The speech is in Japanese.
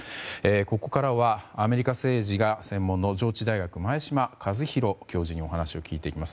ここからはアメリカ政治がご専門の上智大学前嶋和弘教授にお話を聞いていきます。